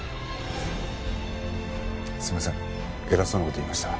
すみません偉そうな事言いました。